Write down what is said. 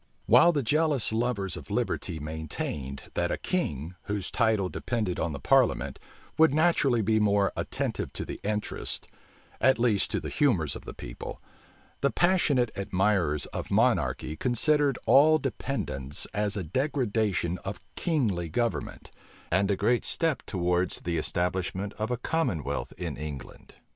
While the jealous lovers of liberty maintained, that a king, whose title depended on the parliament, would naturally be more attentive to the interests, at least to the humors of the people, the passionate admirers of monarchy considered all dependence as a degradation of kingly government, and a great step towards the establishment of a commonwealth in England.